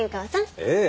ええ。